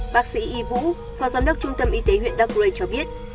bác sĩ y vũ phòng giám đốc trung tâm y tế huyện darkray cho biết